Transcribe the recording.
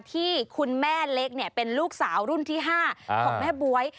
ที่คุณแม่เล็กเป็นลูกสาวรุ่นที่๕ของแม่บ๊วย